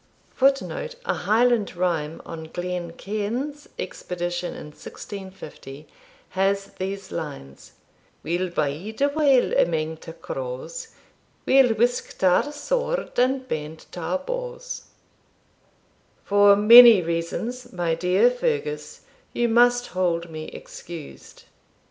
[Footnote: A Highland rhyme on Glencairn's Expedition, in 1650, has these lines We'll bide a while amang ta crows, We'll wiske ta sword and bend ta bows] 'For many reasons, my dear Fergus, you must hold me excused.'